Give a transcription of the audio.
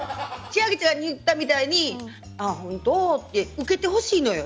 千秋ちゃんが言ったみたいにああ、本当？って受けてほしいのよ。